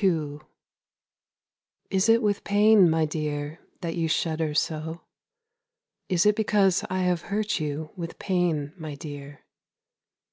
II Is it with pain, my dear, that you shudder so? Is it because I have hurt you with pain, my dear?